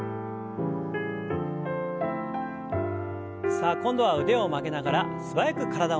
さあ今度は腕を曲げながら素早く体をねじります。